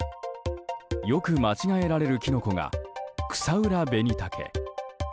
よく間違えられるキノコがクサウラベニタケ。